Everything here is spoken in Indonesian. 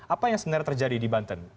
apa yang sebenarnya terjadi di banten